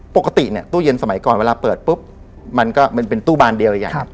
ปกติเนี่ยตู้เย็นสมัยก่อนเวลาเปิดปุ๊บมันก็มันเป็นตู้บานเดียวใหญ่